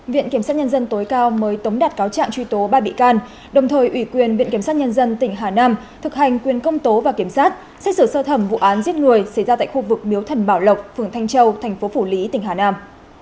viện kiểm sát nhân dân tối cao mới tống đạt cáo trạng truy tố ba bị can đồng thời ủy quyền viện kiểm sát nhân dân tỉnh hà nam thực hành quyền công tố và kiểm sát xét xử sơ thẩm vụ án giết người xảy ra tại khu vực miếu thần bảo lộc phường thanh châu thành phố phủ lý tỉnh hà nam